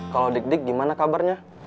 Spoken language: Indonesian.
kalau dik dik gimana kabarnya